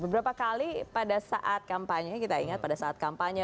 beberapa kali pada saat kampanye kita ingat pada saat kampanye